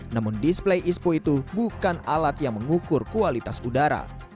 namun display ispo itu bukan alat yang mengukur kualitas udara